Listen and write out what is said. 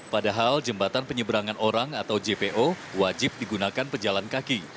padahal jembatan penyeberangan orang atau jpo wajib digunakan pejalan kaki